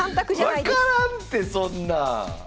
分からんてそんな！